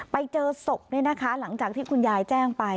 ไปเจอศพนี่นะคะหลังจากที่คุณยายแจ้งไป